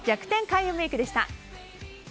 開運メイクでした。